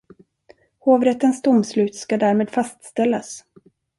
Hovrättens domslut ska därmed fastställas.